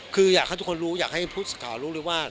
คืออยากให้ทุกคนรู้อยากให้พุทธสะการรู้เลยว่า